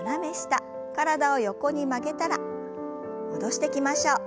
体を横に曲げたら戻してきましょう。